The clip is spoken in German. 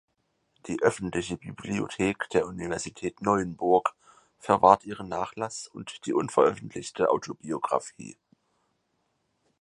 Die Öffentliche Bibliothek der Universität Neuenburg verwahrt ihren Nachlass und die unveröffentlichte Autobiografie.